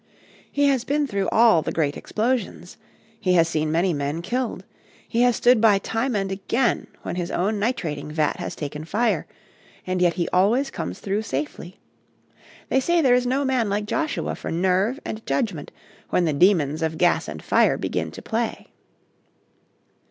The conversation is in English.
He has been through all the great explosions; he has seen many men killed; he has stood by time and again when his own nitrating vat has taken fire; and yet he always comes through safely. They say there is no man like Joshua for nerve and judgment when the demons of gas and fire begin to play.